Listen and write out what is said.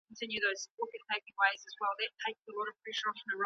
قلمي خط د ژبني مهارتونو د پرمختګ بنسټ دی.